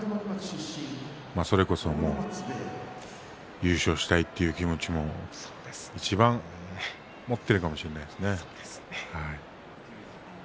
それこそ優勝したいという気持ちも、いちばん持っているかもしれないですね。